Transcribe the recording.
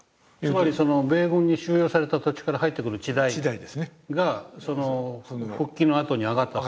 つまり米軍に収用された土地から入ってくる地代が復帰のあとに上がった。